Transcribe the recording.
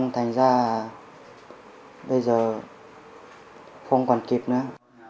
thành ra bây giờ không còn kịp nữa